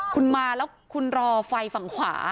คุณมาแล้วคุณรอไฟฝั่งขวา